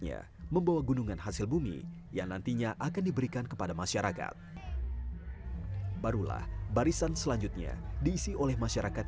yang biasanya digelar pada hajatan besar penduduk setempat